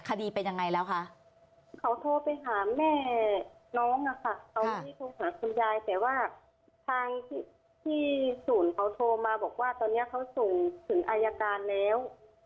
คดีเป็นยังไงแล้วคะเขาโทรไปหาแม่น้องอะค่ะเขาไม่ได้โทรหาคุณยายแต่ว่าทางที่ศูนย์เขาโทรมาบอกว่าตอนนี้เขาส่งถึงอายการแล้ว